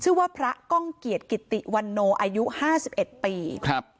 ชื่อว่าพระก้องเกียรติกิติวันโนอายุห้าสิบเอ็ดปีครับ